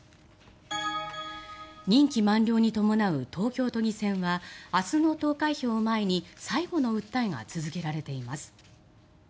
任期満了に伴う東京都議選は明日の投開票を前に最後の訴えが続けられています。